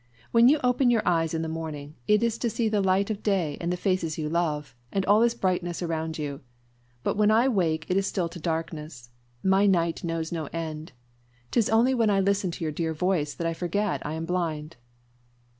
When you open your eyes in the morning, it is to see the light of day and the faces you love, and all is brightness around you. But when I wake it is still to darkness. My night knows no end. 'Tis only when I listen to your dear voice that I forget I am blind."